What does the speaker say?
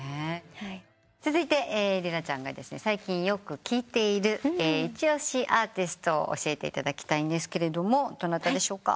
続いてりらちゃんが最近よく聴いている一押しアーティストを教えていただきたいんですがどなたでしょうか？